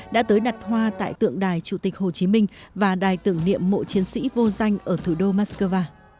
đã tới đặt hoa tại tượng đài chủ tịch hồ chí minh và đài tưởng niệm mộ chiến sĩ vô danh ở thủ đô moscow